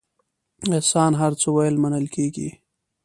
احسان هر څه ویل منل کېږي.